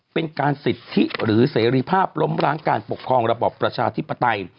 เป็นการสิทธิหรือเสรีภาพล้มร้างการปกครองระบอบประชาธิปไตย